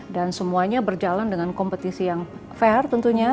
dan semuanya berjalan dengan kompetisi yang fair tentunya